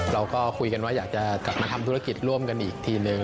เราก็คุยกันว่าอยากจะกลับมาทำธุรกิจร่วมกันอีกทีนึง